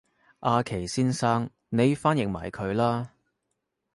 阿祁先生你翻譯埋佢啦